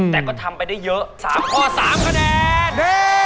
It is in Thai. แต่ก็ทำไปได้เยอะ๓ข้อ๓คะแนน